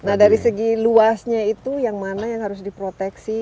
nah dari segi luasnya itu yang mana yang harus diproteksi